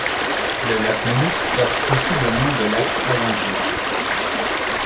Le lac Melucq porte aussi le nom de lac Awantjish.